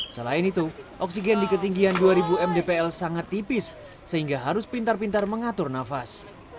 selain itu oksigen di ketinggian dua ribu mdpl sangat tipis sehingga harus pintar pintar mengatur nafas